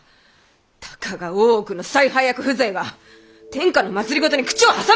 たかが大奥の采配役風情が天下の政に口を挟むな！